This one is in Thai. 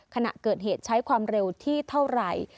ขณะเกิดเหตุใช้ความเร็วที่เท่าไหร่